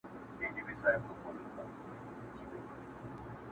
،عبدالباري جهاني،